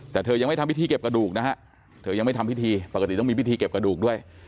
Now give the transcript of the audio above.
แต่เธอยังไม่ทำพิธีเก็บกระดูกนะฮะเธอยังไม่ทำพิธีปกติต้องมีพิธีเก็บกระดูกด้วย